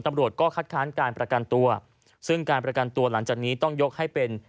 ตำรวจก็คัดค้านการประกันตัวซึ่งการประกันตัวหลังจากนี้ต้องยกให้เป็น